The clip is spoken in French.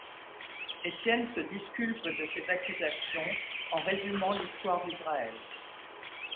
Étienne se disculpe de ces accusations en résumant l’histoire d’Israël.